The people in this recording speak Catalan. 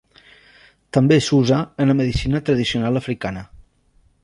També s'usa en la medicina tradicional africana.